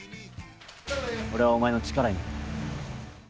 俺はお前の力になる。